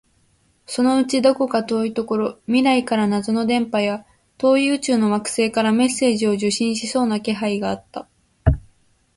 そのうちどこか遠いところ、未来から謎の電波や、遠い宇宙の惑星からメッセージを受信しそうな気配があった